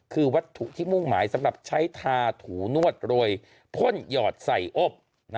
คือวัตถุที่มุ่งหมายสำหรับใช้ทาถูนวดโรยพ่นหยอดใส่อบ